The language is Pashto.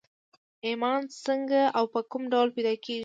ايمان څنګه او په کوم ډول پيدا کېږي؟